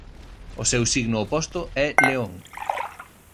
O seu signo oposto é León.